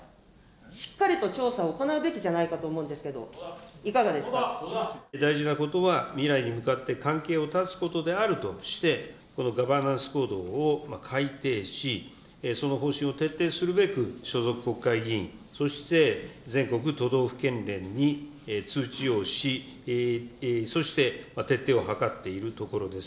しっかりと調査を行うべきじゃないかと思うんですけど、いかがで大事なことは、未来に向かって関係を断つことであるとして、このガバナンスコードを改定し、その方針を徹底するべく、所属国会議員、そして全国都道府県連に通知をし、そして徹底を図っているところです。